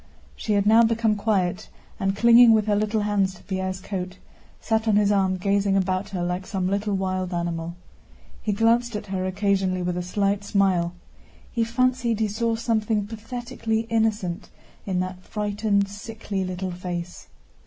She had now become quiet and, clinging with her little hands to Pierre's coat, sat on his arm gazing about her like some little wild animal. He glanced at her occasionally with a slight smile. He fancied he saw something pathetically innocent in that frightened, sickly little face.